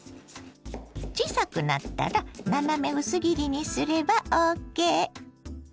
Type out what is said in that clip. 小さくなったら斜め薄切りにすればＯＫ。